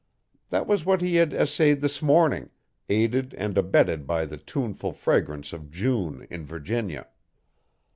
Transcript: That was what he had essayed this morning, aided and abetted by the tuneful fragrance of June in Virginia.